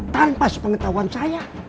tanpa sepengetahuan saya